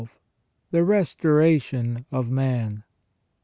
3 1 8 THE RESTORA TION OF MAN.